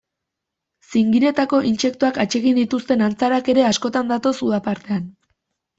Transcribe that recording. Zingiretako intsektuak atsegin dituzten antzarak ere askotan datoz uda partean.